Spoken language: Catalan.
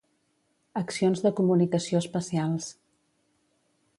Accions de comunicació especials